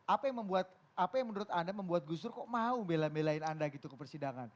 apa yang membuat apa yang menurut anda membuat gus dur kok mau bela belain anda gitu ke persidangan